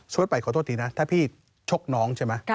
ไปขอโทษทีนะถ้าพี่ชกน้องใช่ไหม